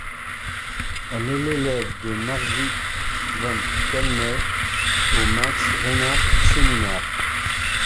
Elle est l'élève de Margit von Tolnai au Max Reinhardt Seminar.